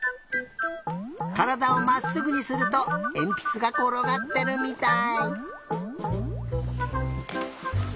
からだをまっすぐにするとえんぴつがころがってるみたい。